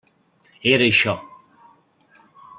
Era això.